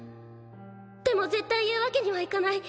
でも絶対言うわけにはいかない。